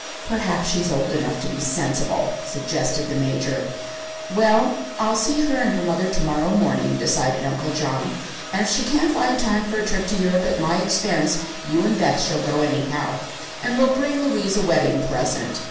"Perhaps she's old enough to be sensible," suggested the Major. "Well, I'll see her and her mother to morrow morning," decided Uncle John, "and if she can't find time for a trip to Europe at my expense, you and Beth shall go anyhow and we'll bring Louise a wedding present."